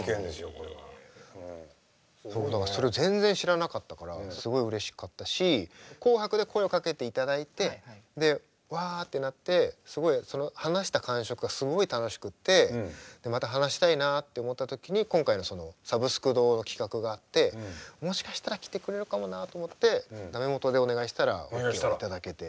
これは。それを全然知らなかったからすごいうれしかったし「紅白」で声をかけていただいてわってなってその話した感触がすごい楽しくてまた話したいなって思った時に今回の「サブスク堂」の企画があってもしかしたら来てくれるかもなと思って駄目元でお願いしたら来ていただけて。